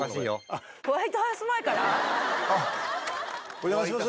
お邪魔します。